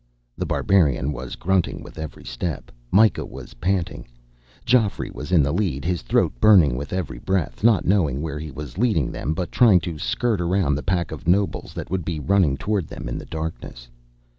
The Barbarian was grunting with every step. Myka was panting. Geoffrey was in the lead, his throat burning with every breath, not knowing where he was leading them, but trying to skirt around the pack of nobles that would be running toward them in the darkness.